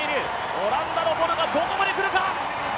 オランダのボルがどこまで来るか。